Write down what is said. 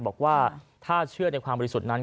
บอกว่าถ้าเชื่อในความบริสุทธิ์นั้น